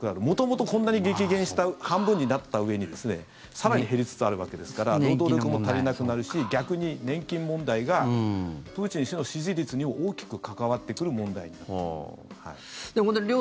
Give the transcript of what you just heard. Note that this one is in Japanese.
元々こんなに激減した半分になったうえに更に減りつつあるわけですから労働力も足りなくなるし逆に年金問題がプーチン氏の支持率に大きく関わってくる問題になった。